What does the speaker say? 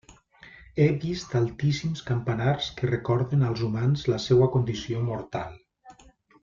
He vist altíssims campanars que recorden als humans la seua condició mortal.